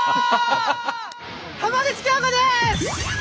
浜口京子です！